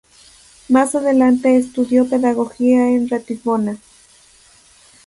Mas adelante estudió pedagogía en Ratisbona.